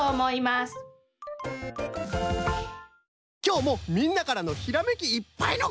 きょうもみんなからのひらめきいっぱいのこうさく